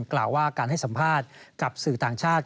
กล่าวว่าการให้สัมภาษณ์กับสื่อต่างชาติ